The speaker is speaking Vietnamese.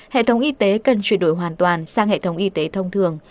hệ thống y tế cần chuyển đổi hoàn toàn sang hệ thống y tế thông thường